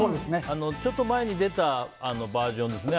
ちょっと前に出たバージョンだね。